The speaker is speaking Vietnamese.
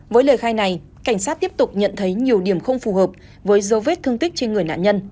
với lời khai này cảnh sát tiếp tục nhận thấy nhiều điểm không phù hợp với dấu vết thương tích trên người nạn nhân